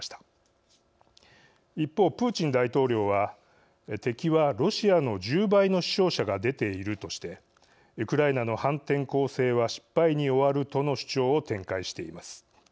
一方プーチン大統領は「敵はロシアの１０倍の死傷者が出ている」としてウクライナの反転攻勢は失敗に終わるとの主張を展開しています。